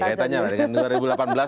kaitannya apa ini